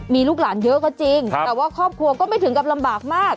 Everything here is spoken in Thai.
มีลูกหลานเยอะก็จริงแต่ว่าครอบครัวก็ไม่ถึงกับลำบากมาก